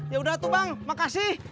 ya udah tuh bang makasih